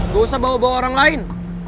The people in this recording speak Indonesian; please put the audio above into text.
gak usah bawa bawa orang lain